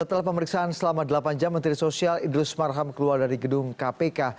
setelah pemeriksaan selama delapan jam menteri sosial idrus marham keluar dari gedung kpk